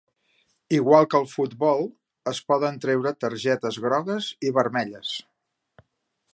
Igual que al futbol, es poden treure targetes grogues i vermelles.